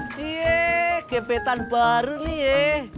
cie gepetan baru nih ye